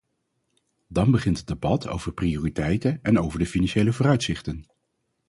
Dan begint het debat over prioriteiten en over de financiële vooruitzichten.